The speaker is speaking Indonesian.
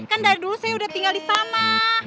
kan dari dulu saya udah tinggal di sana